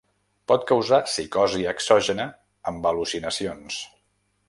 Pot causar psicosi exògena amb al·lucinacions.